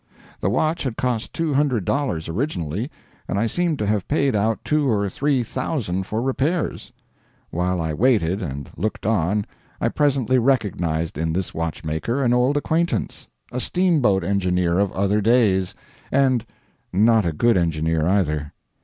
The watch had cost two hundred dollars originally, and I seemed to have paid out two or three thousand for repairs. While I waited and looked on I presently recognized in this watchmaker an old acquaintance a steamboat engineer of other days, and not a good engineer, either.